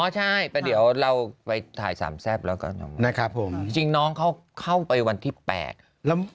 อ๋อใช่ไปเดี๋ยวเราไปถ่ายสามแซมแล้วก็นะครับผมหายนะเข้าเข้าไปวันที่๘แล้ว